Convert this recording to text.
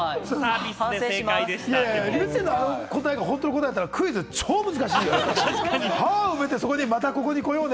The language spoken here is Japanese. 流星君の答えが本当の答えだったら、このクイズ超難しいよ。